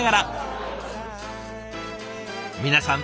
皆さん